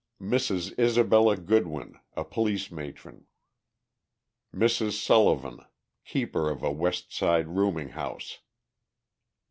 MRS. ISABELLA GOODWIN, a police matron. MRS. SULLIVAN, keeper of a West Side rooming house.